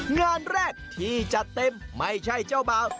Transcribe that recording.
งานแรกที่จัดเต็มไม่ใช่เจ้าบ่าว